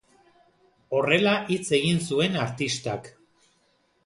Horrela hitz egin zuen artistak.